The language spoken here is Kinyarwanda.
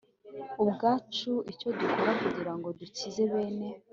ubwacu icyo dukora kugira ngo dukize bene